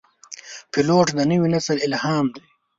پیلوټ د نوي نسل الهام دی.